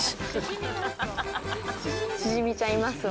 シジミちゃんいますわ。